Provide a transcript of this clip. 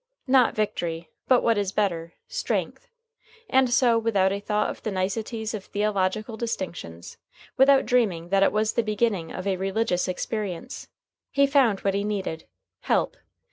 Not victory, but, what is better, strength. And so, without a thought of the niceties of theological distinctions, without dreaming that it was the beginning of a religious experience, he found what he needed, help.